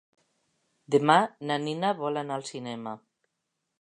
Demà na Nina vol anar al cinema.